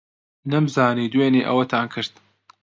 نەمزانی دوێنێ ئەوەتان کرد.